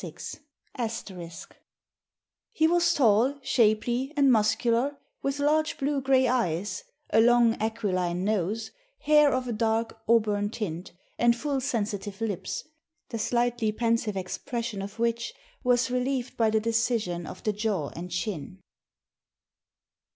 *] "He was tall, shapely, and muscular, with large blue gray eyes, a long aquiline nose, hair of a dark auburn tint, and full sensitive lips, the slightly pensive expression of which was relieved by the decision of the jaw and chin."